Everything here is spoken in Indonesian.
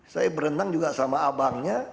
saya berenang juga sama abangnya